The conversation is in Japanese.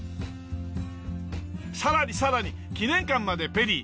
さらにさらに記念館までペリー。